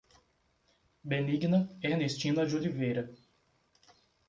Benigna Ernestina de Oliveira